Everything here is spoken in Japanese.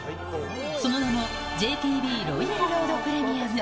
その名も、ＪＴＢロイヤルロード・プレミアム。